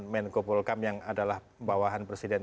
menko polkam yang adalah bawahan presiden